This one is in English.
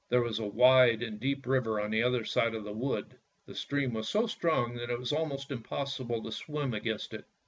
There was a wide and deep river on the other side of the wood, the stream was so strong that it was almost impossible to swim against it.